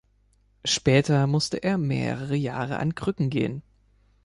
Später musste er mehrere Jahre an Krücken gehen.